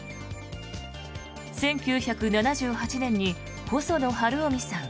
１９７８年に細野晴臣さん